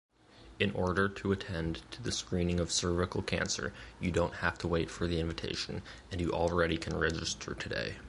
In order to attend to the screening of cervical cancer, you don’t have to wait for the invitation and you already can register today.